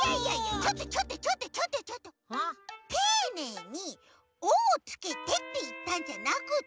ていねいに「お」をつけてっていったんじゃなくって！